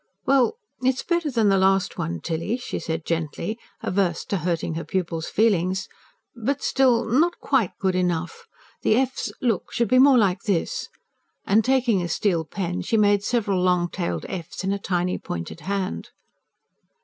"Well ... it's better than the last one, Tilly," she said gently, averse to hurting her pupil's feelings. "But still not quite good enough. The f's, look, should be more like this." And taking a steel pen she made several long tailed f's, in a tiny, pointed hand.